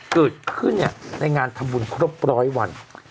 เกิดขึ้นในงานทำบุญครบร้อยวัน